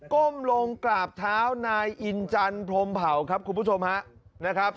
้มลงกราบเท้านายอินจันพรมเผาครับคุณผู้ชมฮะนะครับ